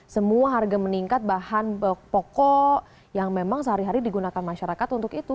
semua harga meningkat bahan pokok yang memang sehari hari digunakan masyarakat untuk itu